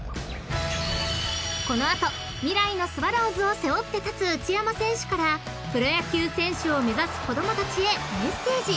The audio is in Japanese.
［この後未来のスワローズを背負って立つ内山選手からプロ野球選手を目指す子供たちへメッセージ］